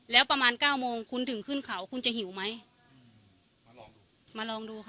แล้วประมาณเก้าโมงคุณถึงขึ้นเขาคุณจะหิวไหมมาลองดูมาลองดูค่ะ